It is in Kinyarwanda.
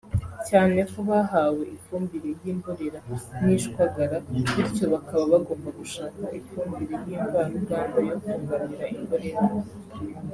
cyane ko bahawe ifumbire y’imborera n’ishwagara bityo bakaba bagomba gushaka ifumbire y’imvaruganda yo kunganira imborera